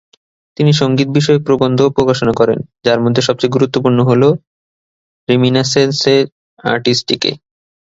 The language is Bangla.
তিনি সঙ্গীত বিষয়ক প্রবন্ধও প্রকাশ করেন, যার মধ্যে সবচেয়ে গুরুত্বপূর্ণ হল "রিমিনাসসেনজে আর্টিস্টিকে"।